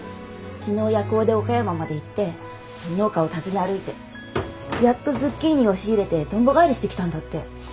昨日夜行で岡山まで行って農家を訪ね歩いてやっとズッキーニを仕入れてとんぼ返りしてきたんだって。